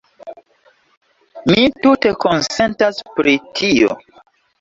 Mi tute konsentas pri tio.